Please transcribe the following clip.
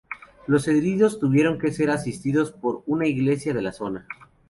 Los heridos tuvieron que ser asistidos por una iglesia de la zona.